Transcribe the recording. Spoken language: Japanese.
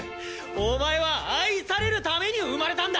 お前は愛されるために生まれたんだ！